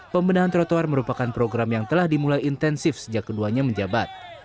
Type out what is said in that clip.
pembenahan trotoar merupakan program yang telah dimulai intensif sejak keduanya menjabat